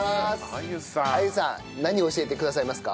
安優さん何を教えてくださいますか？